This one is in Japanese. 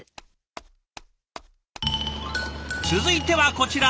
続いてはこちら！